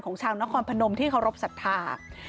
ของชางนครพนมที่เคารพศัตริย์